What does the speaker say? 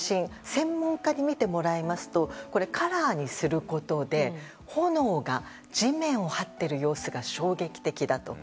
専門家に見てもらいますとカラーにすることで炎が地面をはっている様子が衝撃的だと。